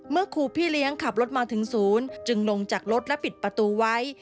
ครูพี่เลี้ยงขับรถมาถึงศูนย์จึงลงจากรถและปิดประตูไว้